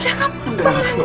udharsana kamu harus berhenti